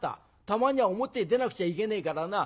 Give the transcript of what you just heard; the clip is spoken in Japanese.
たまには表へ出なくちゃいけねえからな。